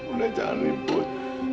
udah jangan ribut